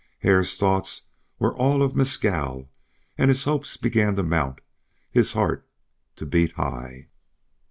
Hare's thoughts were all of Mescal, and his hopes began to mount, his heart to beat high.